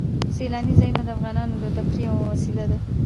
سیلاني ځایونه د افغانانو د تفریح یوه وسیله ده.